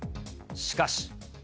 しかし。